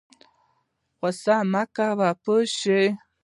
غوسه مه کوه پوه شه